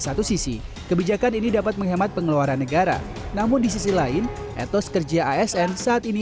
satu sisi kebijakan ini dapat menghemat pengeluaran negara namun di sisi lain etos kerja asn saat ini